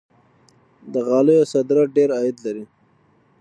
د غالیو صادرات ډیر عاید لري.